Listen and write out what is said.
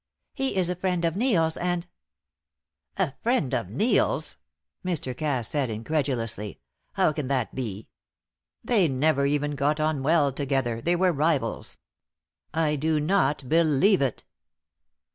"He is a friend of Neil's, and " "A friend of Neil's?" Mr. Cass said, incredulously. "How can that be? They never even got on well together; they were rivals. I do not believe it."